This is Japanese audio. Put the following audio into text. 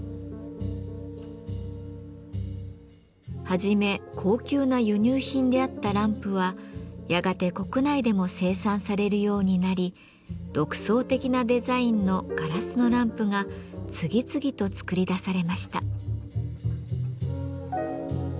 はじめ高級な輸入品であったランプはやがて国内でも生産されるようになり独創的なデザインのガラスのランプが次々と作り出されました。